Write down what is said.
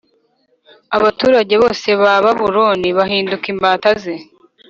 Abaturage bose ba Babuloni bahinduka imbata ze